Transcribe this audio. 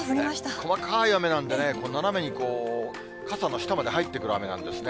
細かい雨なんでね、斜めに傘の下まで入ってくる雨なんですね。